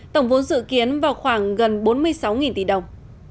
tổng vốn dự kiến vào khoảng gần bốn mươi sáu tỷ đồng